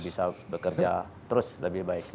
bisa bekerja terus lebih baik